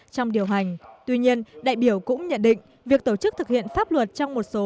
trong điều hành tuy nhiên đại biểu cũng nhận định việc tổ chức thực hiện pháp luật trong một số